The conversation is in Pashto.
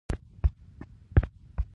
دلته هرڅه سم دي